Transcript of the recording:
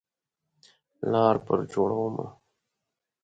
لار پر جوړومه